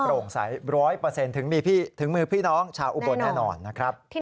โปร่งใส๑๐๐ถึงมีถึงมือพี่น้องชาวอุบลแน่นอนนะครับ